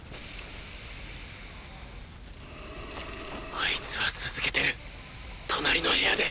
あいつは続けてる隣の部屋で。